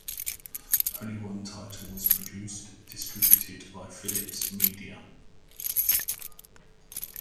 Only one title was produced, distributed by Philips Media.